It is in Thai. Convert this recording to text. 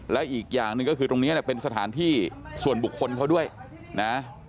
และอีกอย่างหนึ่งก็คือตรงนี้เนี่ยเป็นสถานที่ส่วนบุคคลเขาด้วยนะ